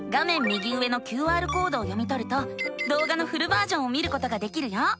右上のＱＲコードを読みとるとどうがのフルバージョンを見ることができるよ。